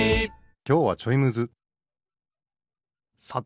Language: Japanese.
きょうはちょいむずさて